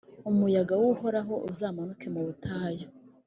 umuyaga w’Uhoraho uzazamuke mu butayu,